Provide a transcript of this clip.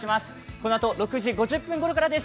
このあと６時５０分ごろからです。